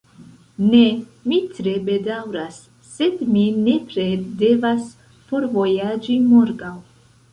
Ne, mi tre bedaŭras, sed mi nepre devas forvojaĝi morgaŭ.